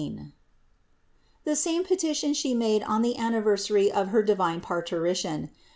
The same petition She made on the anniversary of her divine parturition.